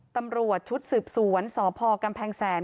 ตำรวจชุดสืบสวนสพกำแพงแสน